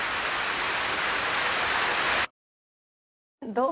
どう？